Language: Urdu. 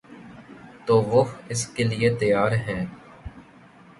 تو وہ اس کے لیے تیار ہیں